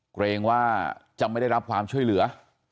เกรงว่าจะไม่ได้รับความช่วยเหลือ